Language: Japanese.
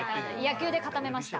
野球で固めました。